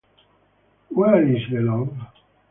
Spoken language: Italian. Where Is the Love?